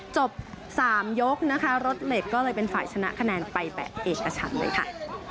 จบ๓ยกนะคะรถเหล็กก็เลยเป็นฝ่ายชนะคะแนนไปแบบเอกชันเลยค่ะ